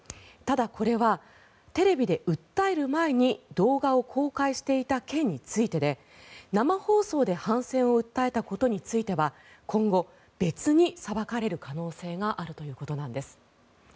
ただ、これはテレビで訴える前に動画を公開していた件についてで生放送で反戦を訴えたことについては今後、別に裁かれる可能性があるということなんです。